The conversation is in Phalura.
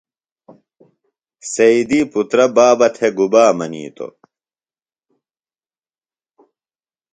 سیدی پُترہ بابہ تھےۡ گُبا منِیتوۡ؟